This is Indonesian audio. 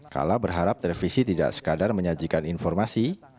kala berharap televisi tidak sekadar menyajikan informasi